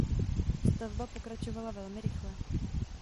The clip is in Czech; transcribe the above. Stavba pokračovala velmi rychle.